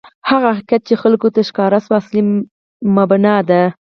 هغه حقیقت چې خلکو ته ښکاره شوی، اصلي مبنا ده.